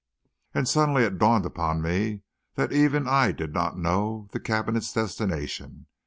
And it suddenly dawned upon me that even I did not know the cabinet's destination!